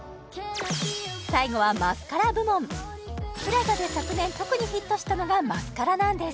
最後はＰＬＡＺＡで昨年特にヒットしたのがマスカラなんです